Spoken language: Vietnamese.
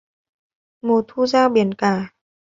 Mùa thu ra biển cả